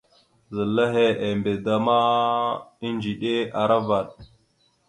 Zal nehe embe da ma, edziɗe aravaɗ.